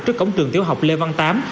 trước cổng trường tiếu học lê văn tám